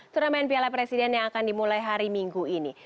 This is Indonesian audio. turnamen piala presiden yang akan dimulai hari minggu ini